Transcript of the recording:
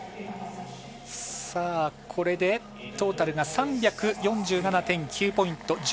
これでトータルが３４７．９ポイント。